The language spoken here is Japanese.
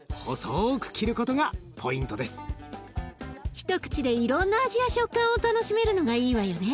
一口でいろんな味や食感を楽しめるのがいいわよね。